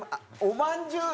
おまんじゅう。